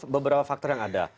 beberapa faktor yang ada